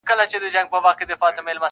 یو پر بل یې جوړه کړې کربلا وه -